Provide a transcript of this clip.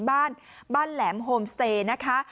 บ้านแหลมโฮมสเตคนะคะ